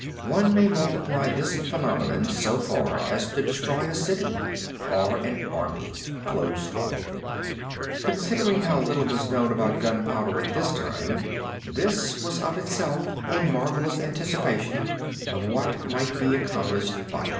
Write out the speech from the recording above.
One may multiply this phenomenon so far as to destroy a city or an army." Considering how little was known about gunpowder at this time, this was of itself a marvelous anticipation of what might be accomplished by it.